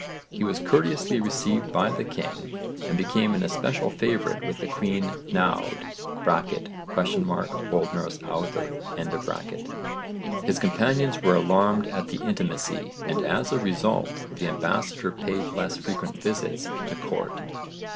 He was courteously received by the king and became an especial favourite with the queen Noud (? O.N. Auðr). His companions were alarmed at the intimacy and as a result the ambassador paid less frequent visits to court.